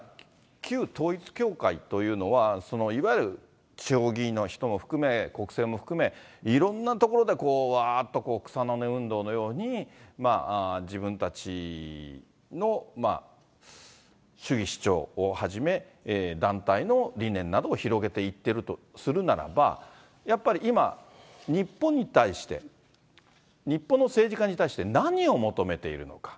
旧統一教会というのは、いわゆる地方議員の人も含め、国政も含め、いろんな所でこう、わーっと草の根運動のように、自分たちの主義主張をはじめ、団体の理念などを広げていっているとするならば、やっぱり今、日本に対して、日本の政治家に対して、何を求めているのか。